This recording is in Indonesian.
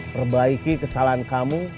perbaiki kesalahan kamu